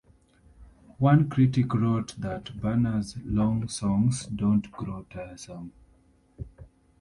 One critic wrote that Berne's long songs don't grow tiresome.